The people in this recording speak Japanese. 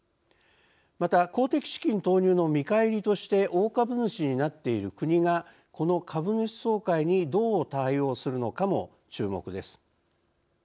また公的資金投入の見返りとして大株主になっている国がこの株主総会にどう対応するのかも注目です。